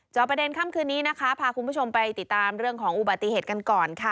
ประเด็นค่ำคืนนี้นะคะพาคุณผู้ชมไปติดตามเรื่องของอุบัติเหตุกันก่อนค่ะ